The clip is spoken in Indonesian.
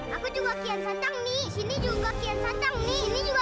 aku juga kian santang nek